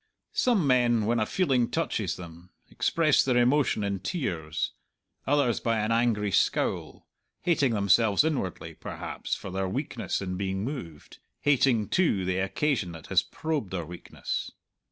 Some men, when a feeling touches them, express their emotion in tears; others by an angry scowl hating themselves inwardly, perhaps, for their weakness in being moved, hating, too, the occasion that has probed their weakness.